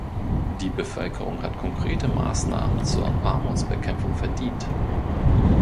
Die Bevölkerung hat konkrete Maßnahmen zur Armutsbekämpfung verdient.